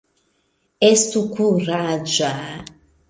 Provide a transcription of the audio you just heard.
Estu kuraĝa!